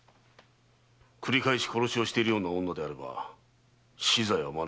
繰り返し殺しをしているような女であれば死罪は免れまい。